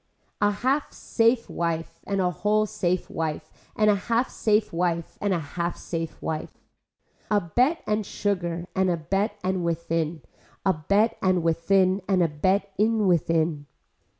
A half safe wife and a whole safe wife and a half safe wife and a half safe wife. A bet and sugar and a bet and within, a bet and within and a bet in within.